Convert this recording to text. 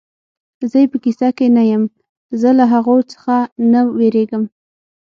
زه یې په کیسه کې نه یم، زه له هغو څخه نه وېرېږم.